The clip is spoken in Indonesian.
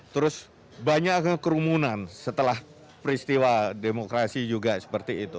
terus banyak kerumunan setelah peristiwa demokrasi juga seperti itu